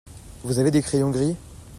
Vous avez des crayons gris ?